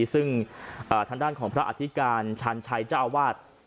ทางด้านของพระอาทิการชันชัยเจ้าวาด